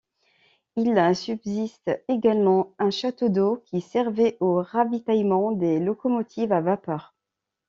Il subsiste également un château d'eau qui servait au ravitaillement des locomotives à vapeur.